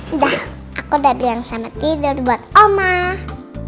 udah aku udah bilang selamat tidur buat omah